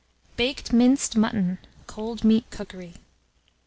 BAKED MINCED MUTTON (Cold Meat Cookery).